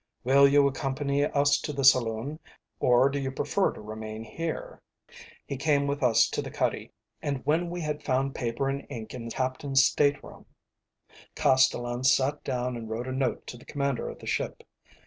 Will you accompany us to the saloon, or do you prefer to remain here?" He came with us to the cuddy, and when we had found paper and ink in the captain's stateroom, Castellan sat down and wrote a note to the commander of the ship.